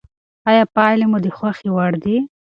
آیا پایلې مو د خوښې وړ دي؟